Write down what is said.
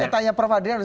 saya tanya prof adrian